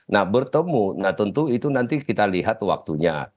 nah bertemu nah tentu itu nanti kita lihat waktunya